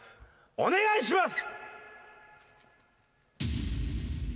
お願いします！